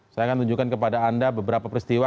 saya akan tunjukkan kepada anda beberapa peristiwa